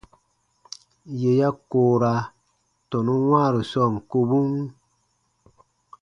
Yè ya koora tɔnun wãaru sɔɔn kobun.